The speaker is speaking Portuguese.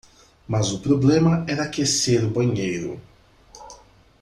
Mas o problema era aquecer o banheiro.